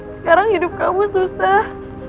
sekarang hidup kamu susah